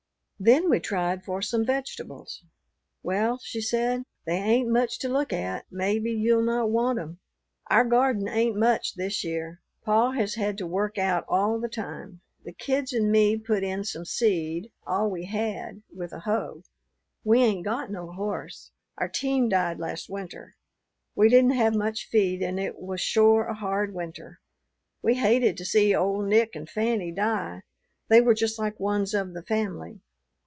Then we tried for some vegetables. "Well," she said, "they ain't much to look at; maybe you'll not want 'em. Our garden ain't much this year. Pa has had to work out all the time. The kids and me put in some seed all we had with a hoe. We ain't got no horse; our team died last winter. We didn't have much feed and it was shore a hard winter. We hated to see old Nick and Fanny die. They were just like ones of the family.